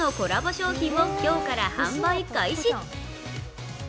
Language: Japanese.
商品を今日から販売開始。